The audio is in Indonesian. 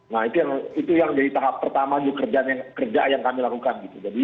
nah itu yang dari tahap pertama kerja yang kami lakukan